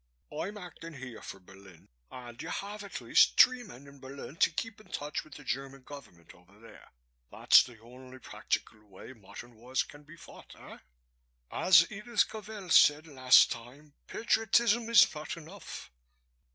I'm acting here for Berlin and you have at least three men in Berlin to keep in touch with the German Government over there. That's the only practical way modern wars can be fought, eh? As Edith Cavell said last time, 'Patriotism is not enough.'